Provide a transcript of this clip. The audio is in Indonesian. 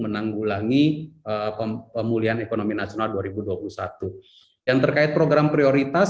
menanggulangi pemulihan ekonomi nasional dua ribu dua puluh satu yang terkait program prioritas